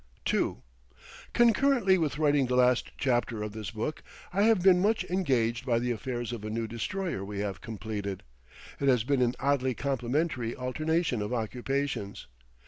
II Concurrently with writing the last chapter of this book I have been much engaged by the affairs of a new destroyer we have completed. It has been an oddly complementary alternation of occupations.